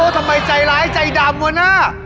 ทำไมใจร้ายใจดำวะน่ะ